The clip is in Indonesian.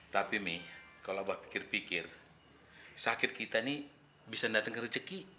tapi mi kalau bapak pikir pikir sakit kita nih bisa datang ke rezeki